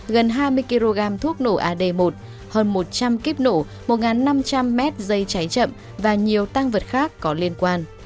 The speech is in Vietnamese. gần hai mươi kg thuốc nổ ad một hơn một trăm linh kíp nổ một năm trăm linh m dây cháy chậm và nhiều tăng vật khác có liên quan